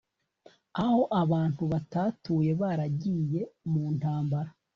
Aho abantu batatuyeBaragiye mu ntambara